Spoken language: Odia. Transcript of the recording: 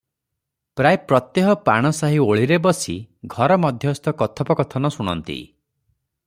ପ୍ରାୟ ପ୍ରତ୍ୟହ ପାଣ ସାହି ଓଳିରେ ବସି ଘର ମଧ୍ୟସ୍ଥ କଥୋପକଥନ ଶୁଣନ୍ତି ।